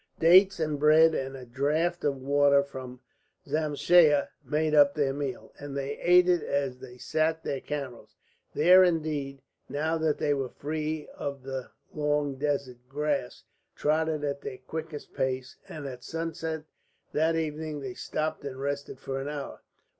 Dates and bread and a draught of water from a zamsheyeh made up their meal, and they ate it as they sat their camels. These, indeed, now that they were free of the long desert grass, trotted at their quickest pace. And at sunset that evening they stopped and rested for an hour.